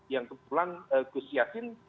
yang kebetulan gus yassin